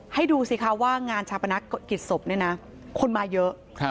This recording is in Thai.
ให้ดูสิคะว่างานชาปนักกิจศพเนี่ยนะคนมาเยอะ